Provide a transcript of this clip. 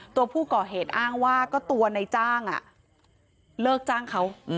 ตัวผู้ก่อเหตุอ้างว่าก็ตัวในจ้างเลิกจ้างเขา